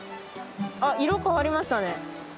あっ色変わりましたね。